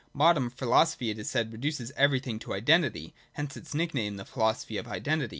Modern philosophy, it is said, reduces everything to identity. Hence its nickname, the Philosophy of Identity.